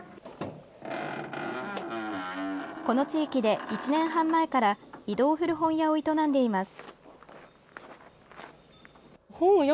この地域で１年半前から移動古本屋を営んでいます。